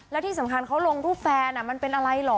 แล้วที่สำคัญเขาลงรูปแฟนมันเป็นอะไรเหรอ